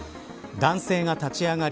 男性が立ち上がり